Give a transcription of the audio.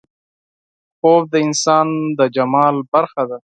خوب د انسان د جمال برخه ده